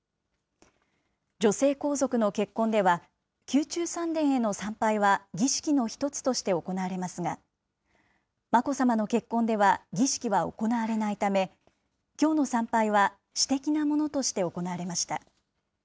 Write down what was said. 女性皇族の結婚では、宮中三殿への参拝は儀式の一つとして行われますが、眞子さまの結婚では儀式は行われないため、きょうの参拝は私的なものとして行われました。